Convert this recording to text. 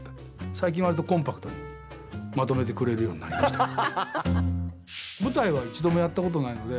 最近、わりとコンパクトにまとめてくれるようになりましたけど。